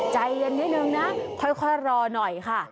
ใจเย็นนิดนึงนะค่อยรอหน่อยค่ะ